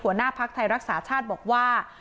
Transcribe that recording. หัวหน้าภาคไทยรักษาชาตรบอกว่า